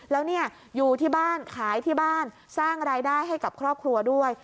แล้วเนี่ยอยู่ที่บ้านขายที่บ้านสร้างรายได้ให้กับครอบครัวด้วย